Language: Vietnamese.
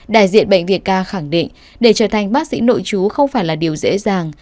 đại diện bệnh viện ca khẳng định để trở thành bác sĩ nội chú không phải là điều dễ dàng